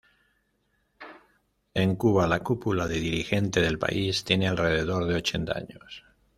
En Cuba la cúpula dirigente del país tiene alrededor de ochenta años.